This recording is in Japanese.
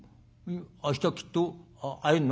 明日きっと会えんの？